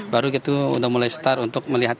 baru itu sudah mulai start untuk melihat